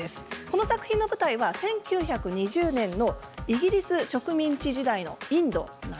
この作品の舞台は１９２０年のイギリス植民地時代のインド。